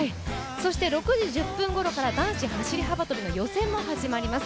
そして６時１０分ごろから男子走幅跳の予選も始まります。